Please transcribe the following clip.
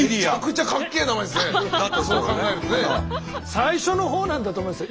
最初の方なんだと思いますよ。